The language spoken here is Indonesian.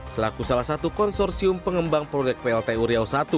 selaku salah satu konsorsium pengembang produk plt uriau i